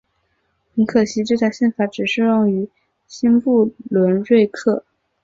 很可惜这条宪法只适用于新不伦瑞克。